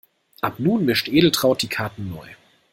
Aber nun mischt Edeltraud die Karten neu.